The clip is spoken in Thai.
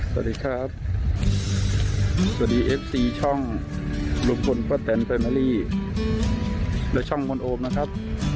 สวัสดีครับสวัสดีเอฟซีช่องบริษัทและช่องมณโอมนะครับ